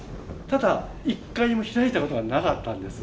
ただ１回も開いたことがなかったんです。